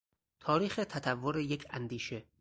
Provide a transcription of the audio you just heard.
تاریخ تطور یک اندیشه